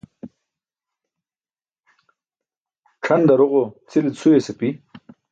C̣ʰan daroġo cʰile cʰuyas api.